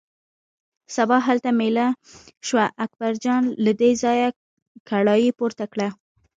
سبا هلته مېله شوه، اکبرجان له دې ځایه کړایی پورته کړه.